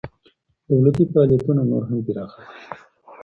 دولتي فعاليتونه نور هم پراخه کړئ.